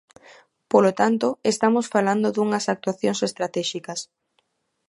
Polo tanto, estamos falando dunhas actuacións estratéxicas.